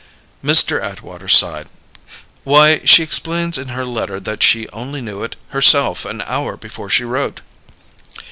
Mr. Atwater sighed. "Why, she explains in her letter that she only knew it, herself, an hour before she wrote."